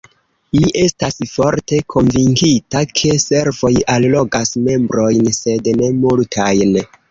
Mi estas forte konvinkita, ke servoj allogas membrojn, sed ne multajn.